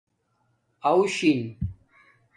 اݸو بیش